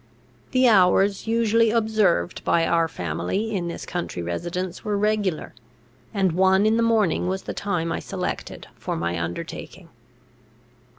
The hours usually observed by our family in this country residence were regular; and one in the morning was the time I selected for my undertaking.